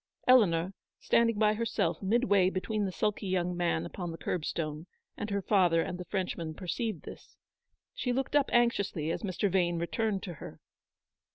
Eleanor, standing by her self, midway between the sulky young man upon the curbstone and her father and the Frenchman, perceived this. She looked up anxiously as Mr. Vane returned to her.